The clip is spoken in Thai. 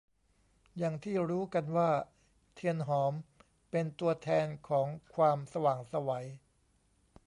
อย่างที่รู้กันว่า เทียนหอม เป็นตัวแทนของความสว่างไสว